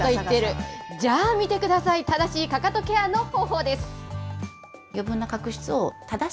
じゃあ見てください、正しいかかとケアの方法です。